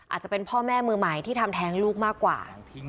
อาจจะเป็นพ่อแม่มือใหม่ที่ทำแท้งลูกมากกว่า